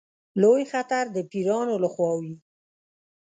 لوی خطر د پیرانو له خوا وي.